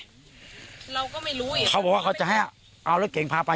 เราก็ไม่รู้อีกเขาบอกว่าเขาจะให้เอารถเก่งพาไป